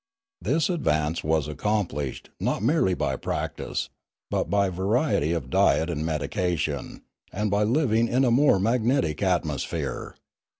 This advance was accomplished, not merely by practice, but by variety of diet and medication, and by living in a more magnetic atmosphere.